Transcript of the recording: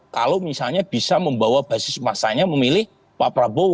kalau misalnya bisa membawa basis masanya memilih pak prabowo